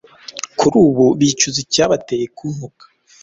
Kurubu bicuza icya bateye kuntuka